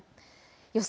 予想